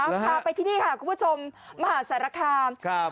ต่อไปที่นี้ค่ะคุณผู้ชมมหาศาลคา